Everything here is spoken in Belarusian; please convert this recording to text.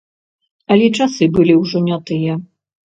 Але часы былі ўжо не тыя.